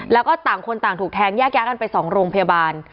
แล้วก็ต่างคนต่างถูกแทงแยกย้ายกันไป๒โรงพยาบาล